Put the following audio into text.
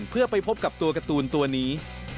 เพื่อไปพบกับตัวการ์ตูนตัวนี้